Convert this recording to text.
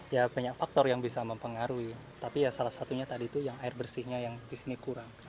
ya banyak faktor yang bisa mempengaruhi tapi ya salah satunya tadi itu yang air bersihnya yang di sini kurang